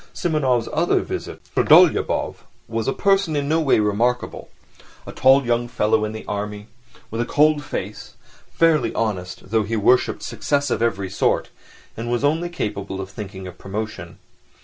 Simonov's other visitor, Trudolyubov, was a person in no way remarkable—a tall young fellow, in the army, with a cold face, fairly honest, though he worshipped success of every sort, and was only capable of thinking of promotion.